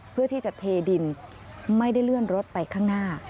เพื่อที่จะเทดินไม่ได้เลื่อนรถไปข้างหน้า